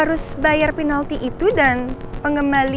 rasanya peng infantil